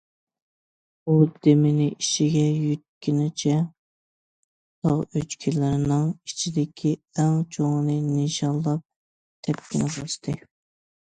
ئۇ دېمىنى ئىچىگە يۇتقىنىچە تاغ ئۆچكىلىرىنىڭ ئىچىدىكى ئەڭ چوڭىنى نىشانلاپ تەپكىنى باستى.